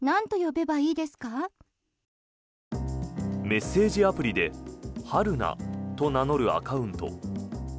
メッセージアプリで春奈と名乗るアカウント。